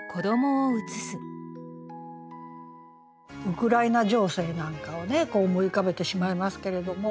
ウクライナ情勢なんかをね思い浮かべてしまいますけれども。